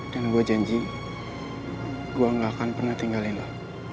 dan gue janji gue gak akan pernah tinggalin lo